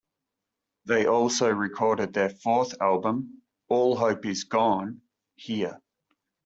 They also recorded their fourth album "All Hope Is Gone" here.